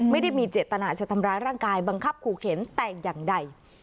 ไม่ได้มีเจตนาจะทำร้ายร่างกายบังคับขู่เข็นแต่อย่างใด